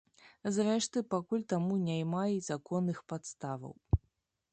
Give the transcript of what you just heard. Зрэшты, пакуль таму няма й законных падставаў.